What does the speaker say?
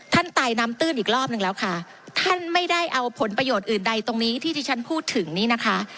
ตายน้ำตื้นอีกรอบนึงแล้วค่ะท่านไม่ได้เอาผลประโยชน์อื่นใดตรงนี้ที่ที่ฉันพูดถึงนี่นะคะ